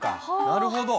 なるほど。